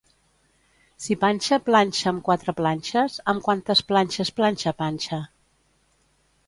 Si Panxa planxa amb quatre planxes, amb quantes planxes planxa Panxa?